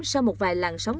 sau một vài làn sóng